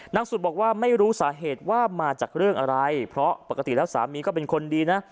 สุดบอกว่าไม่รู้สาเหตุว่ามาจากเรื่องอะไรเพราะปกติแล้วสามีก็เป็นคนดีนะ